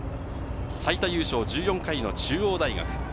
最多優勝１４回の中央大学。